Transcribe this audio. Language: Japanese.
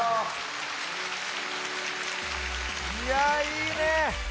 いやいいね。